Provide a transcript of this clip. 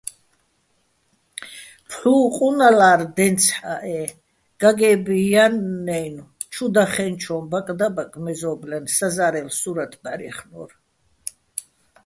ფჰ̦უ ყუნალა́რ დენცჰ̦ა́ჸ-ე გაგე́ბ ჲანა́ჲნო̆ ჩუ დახენჩო̆ ბაკდაბაკ მეზო́ბლენ საზა́რელ სურათ ბჵარჲეხნო́რ.